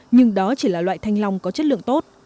nhưng đó chỉ là loại thanh long có chất lượng tốt